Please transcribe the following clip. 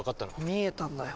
「視えたんだよ」